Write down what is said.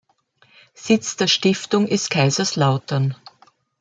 Sitz der Stiftung ist Kaiserslautern.